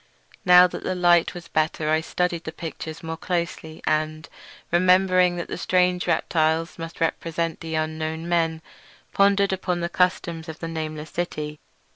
Now that the light was better I studied the pictures more closely, and, remembering that the strange reptiles must represent the unknown men, pondered upon the customs of the nameless city.